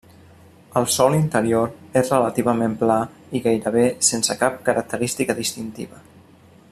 El sòl interior és relativament pla i gairebé sense cap característica distintiva.